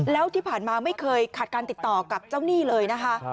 แล้วที่ผ่านมาไม่เคยขาดการติดต่อกับเจ้าหนี้เลยนะคะ